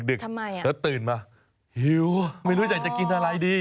ดึกและตื่นมาเหยียวว่ะไม่รู้จะอย่ากินอะไรดี